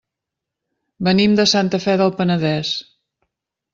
Venim de Santa Fe del Penedès.